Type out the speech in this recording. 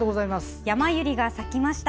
ヤマユリが咲きました。